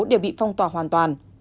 đều bị phong tỏa hoàn toàn